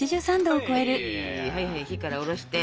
はいはい火から下ろして。